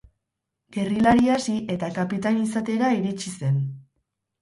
Gerrilari hasi, eta kapitain izatera iritsi zen.